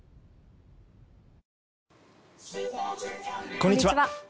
こんにちは。